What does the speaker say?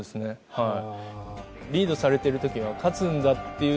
はい。